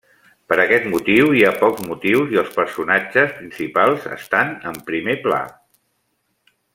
Per aquest motiu hi ha pocs motius i els personatges principals estan en primer pla.